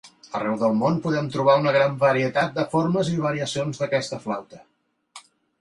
Arreu del món podem trobar una gran varietat de formes i variacions d'aquesta flauta.